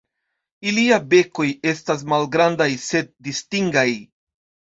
Iliaj bekoj estas malgrandaj sed distingaj.